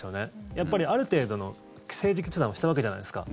やっぱりある程度の政治決断をしたわけじゃないですか。